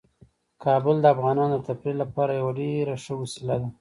کابل د افغانانو د تفریح لپاره یوه ډیره ښه وسیله ده.